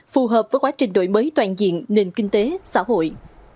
phù hợp với quá trình đổi mới toàn diện nền kinh tế xã hội